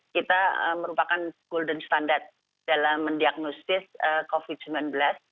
kita merupakan golden standard dalam mendiagnosis covid sembilan belas